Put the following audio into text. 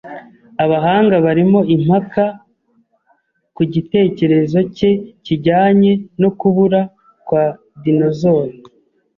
Abahanga barimo impaka ku gitekerezo cye kijyanye no kubura kwa dinosaur.